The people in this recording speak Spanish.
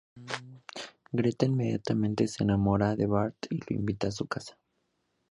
Greta inmediatamente se enamora de Bart y lo invita a su casa.